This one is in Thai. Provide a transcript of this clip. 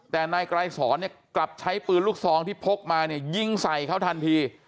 แต่นายกลายสอนกลับใช้ปืนลูกทรองที่พกมายิงใส่เขาทันที